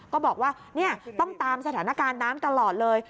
ก็บอกว่าต้องตามสถานการณ์น้ำตลอดเลย